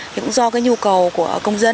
cũng do cái nhu cầu của công dân